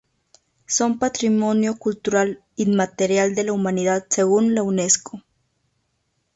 Son Patrimonio cultural inmaterial de la Humanidad según la Unesco.